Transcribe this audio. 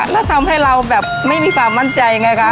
แล้วทำให้เราแบบไม่มีความมั่นใจไงคะ